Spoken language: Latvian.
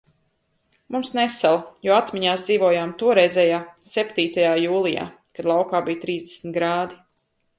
Mums nesala, jo atmiņās dzīvojam toreizējā septītajā jūlijā, kad laukā bija trīsdesmit grādi.